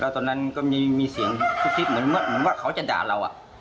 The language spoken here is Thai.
ตอนนั้นก็มีเสียงคิดเหมือนว่าเขาจะด่าเรา